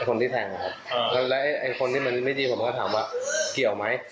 คนที่แทงนะครับแล้วไอ้คนที่มันไม่ดีผมก็ถามว่าเกี่ยวไหม